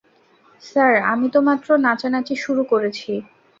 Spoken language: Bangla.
স্যার, আমি তো মাত্র নাচানাচি শুরু করেছি।